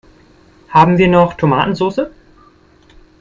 Haben wir noch Tomatensoße?